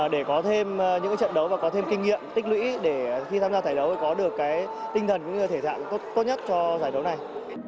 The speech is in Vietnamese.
để có thêm những trận đấu và có thêm kinh nghiệm tích lũy để khi tham gia giải đấu có được tinh thần cũng như thể dạng tốt nhất cho giải đấu này